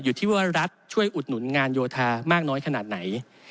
อยู่ที่ว่ารัฐช่วยอุดหนุนงานโยธามากน้อยขนาดไหน